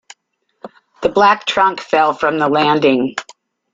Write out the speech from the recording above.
The black trunk fell from the landing.